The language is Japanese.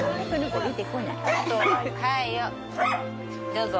どうぞ。